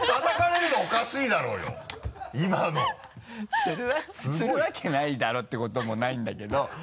するわけないだろってこともないんだけど。